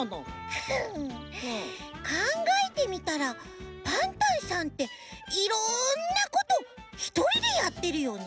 フンかんがえてみたらパンタンさんっていろんなことひとりでやってるよね？